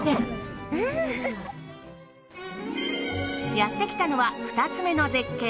やってきたのは２つめの絶景